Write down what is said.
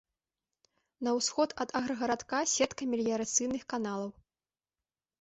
На ўсход ад аграгарадка сетка меліярацыйных каналаў.